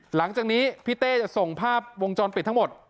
หลังจากนี้พี่เต้จะส่งภาพวงจรปิดทั้งหมด